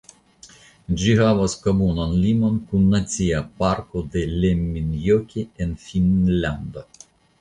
Ĝi havas komunan limon kun Nacia Parko de Lemmenjoki en Finnlando.